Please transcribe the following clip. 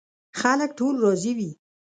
خلک ټول راضي وي.